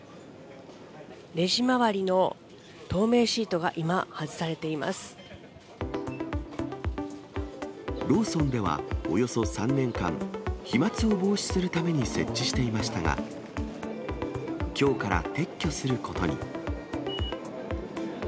レジ周りの透明シートが今、ローソンではおよそ３年間、飛まつを防止するために設置していましたが、きょうから撤去することに。